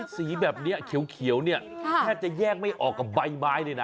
สีแบบนี้เขียวแทบจะแยกไม่ออกกับใบไม้ดินะ